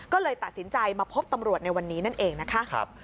ก็เลยตัดสินใจมาพบตำรวจในวันนี้นั่นเองนะคะ